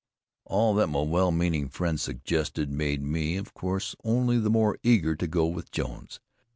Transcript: All that my well meaning friend suggested made me, of course, only the more eager to go with Jones.